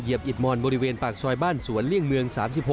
อิดมอนบริเวณปากซอยบ้านสวนเลี่ยงเมือง๓๖